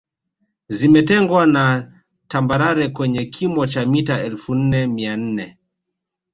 Zimetengwa na tambarare kwenye kimo cha mita elfu nne mia nne